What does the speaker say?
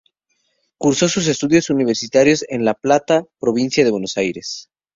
Cursó sus estudios universitarios en La Plata, provincia de Buenos Aires.